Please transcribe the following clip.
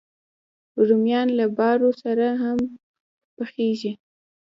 رومیان له بارو سره هم پخېږي